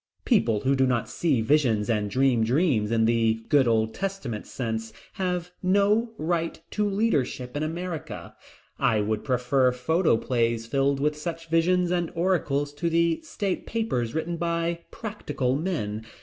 People who do not see visions and dream dreams in the good Old Testament sense have no right to leadership in America. I would prefer photoplays filled with such visions and oracles to the state papers written by "practical men."